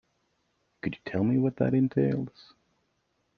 Could you tell me what that entails?